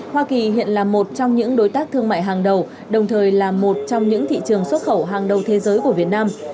hoa kỳ hiện là một trong những đối tác thương mại hàng đầu đồng thời là một trong những thị trường xuất khẩu hàng đầu thế giới của việt nam